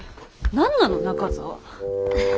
何なの中澤！